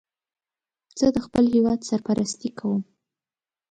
زه د خپل هېواد سرپرستی کوم